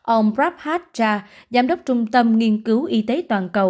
ông prabhat jha giám đốc trung tâm nghiên cứu y tế toàn cơ